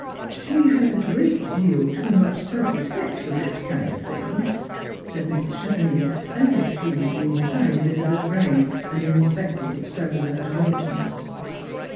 " She has a great deal too much self respect for that kind of thing," said Mrs. Chevenix, as if she had been inside Elizabeth's brain, and inspected its cellular arrangements.